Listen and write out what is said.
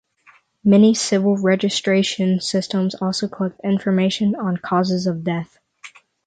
Many civil registration systems also collect information on causes of death.